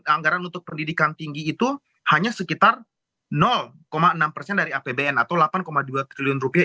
anggaran untuk pendidikan tinggi itu hanya sekitar enam persen dari apbn atau delapan dua triliun rupiah